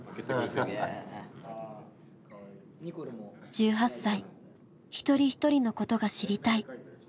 １８歳一人一人のことが知りたい。